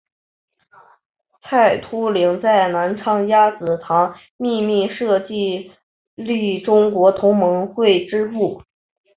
蔡突灵在南昌鸭子塘秘密设立中国同盟会支部。